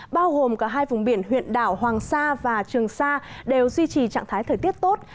bao gồm cả hai vùng biển huyện đảo hoàng sa và trường sa đều duy trì trạng thái thời tiết tốt